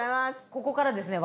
ここからですね